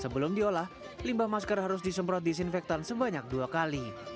sebelum diolah limbah masker harus disemprot disinfektan sebanyak dua kali